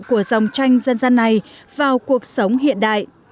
của dòng tranh dân gian này vào cuộc sống hiện đại